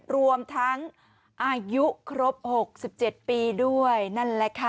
รวมทั้งอายุครบ๖๗ปีด้วยนั่นแหละค่ะ